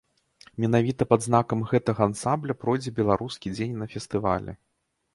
Менавіта пад знакам гэтага ансамбля пройдзе беларускі дзень на фестывалі.